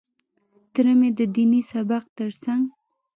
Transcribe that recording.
تره مې د ديني سبق تر څنګ.